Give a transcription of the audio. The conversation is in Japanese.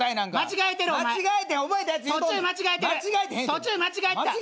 途中間違えてた。